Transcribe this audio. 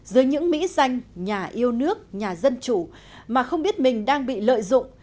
dưới những mỹ danh nhà yêu nước nhà dân chủ mà không biết mình đang bị lợi dụng